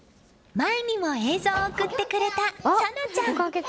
前にも映像を送ってくれたさなちゃん。